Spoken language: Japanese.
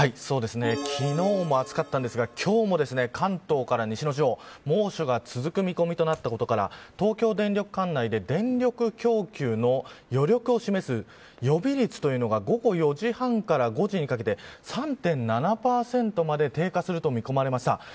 昨日も暑かったんですが今日も関東から西の地方猛暑が続く見込みとなったことから東京電力管内で電力供給の余力を示す予備率というのが午後４時半から５時にかけて３．７％まで低下することが見込まれました。